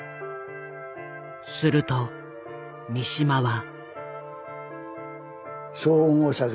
すると三島は。